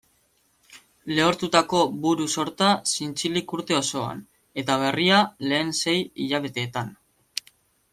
Lehortutako buru-sorta zintzilik urte osoan, eta berria lehen sei hilabeteetan.